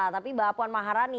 tapi mbak puan maharani